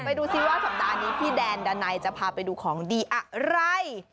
ดูสิว่าสัปดาห์นี้พี่แดนดันัยจะพาไปดูของดีอะไร